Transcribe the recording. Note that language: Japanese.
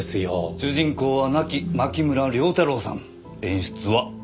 主人公は亡き牧村遼太郎さん演出はあなた。